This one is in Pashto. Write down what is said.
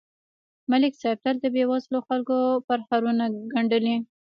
ملک صاحب تل د بېوزلو خلکو پرهارونه گنډلي